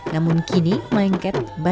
namun kini maengket masih diperkenalkan